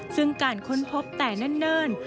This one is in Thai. ซึ่งการค้นพบแต่เนิ่น